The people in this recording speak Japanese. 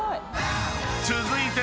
［続いて］